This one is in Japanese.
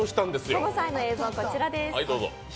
その際の映像、こちらです。